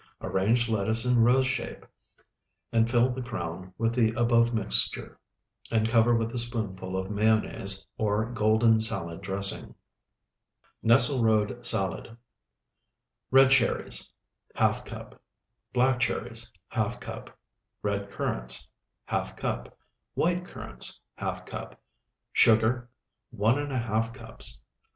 Arrange lettuce in rose shape, and fill the crown with the above mixture, and cover with a spoonful of mayonnaise or golden salad dressing. NESSLERODE SALAD Red cherries, ½ cup. Black cherries, ½ cup. Red currants, ½ cup. White currants, ½ cup. Sugar, 1½ cups.